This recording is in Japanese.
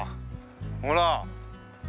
ほら。